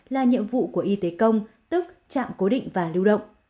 là nhiệm vụ của y tế công tức trạm cố định và lưu động